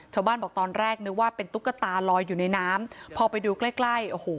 ชาวบ้านบอกตอนแรกนึกว่าเป็นตุ๊กตาลอยอยู่ในน้ำพอไปดูใกล้ใกล้โอ้โห